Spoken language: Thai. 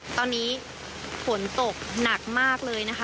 ตอนนี้ฝนตกหนักมากเลยนะคะ